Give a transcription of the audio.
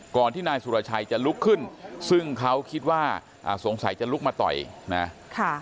ที่นายสุรชัยจะลุกขึ้นซึ่งเขาคิดว่าอ่าสงสัยจะลุกมาต่อยนะค่ะ